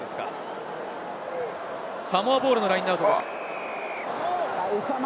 サモアボールのラインアウトです。